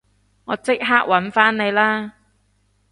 我即刻搵返你啦